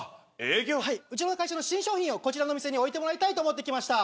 うちの会社の新商品をこのお店に置いてもらいたいと思って来ました。